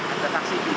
ada taksi juga